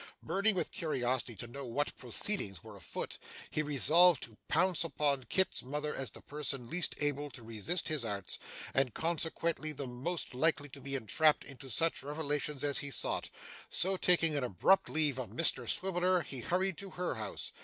Burning with curiosity to know what proceedings were afoot, he resolved to pounce upon Kit's mother as the person least able to resist his arts, and consequently the most likely to be entrapped into such revelations as he sought; so taking an abrupt leave of Mr Swiveller, he hurried to her house.